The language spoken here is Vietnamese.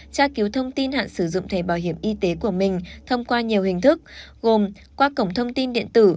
tra cứu thông tin hạn sử dụng thẻ bảo hiểm y tế của mình thông qua nhiều hình thức gồm qua cổng thông tin điện tử